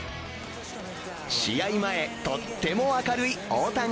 試合前、とっても明るい大谷。